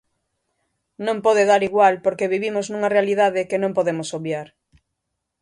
Non pode dar igual porque vivimos nunha realidade que non podemos obviar.